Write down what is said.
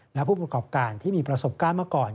และผู้ประกอบการที่มีประสบการณ์เมื่อก่อน